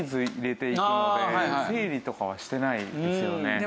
整理とかはしてないですよね。